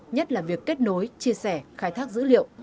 nhất là việc kết nối chia sẻ khai thác dữ liệu